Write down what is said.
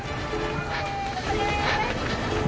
・頑張れ！